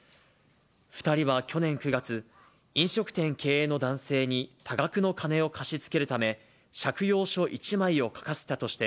２人は去年９月、飲食店経営の男性に多額の金を貸し付けるため、借用書１枚を書かせたとして、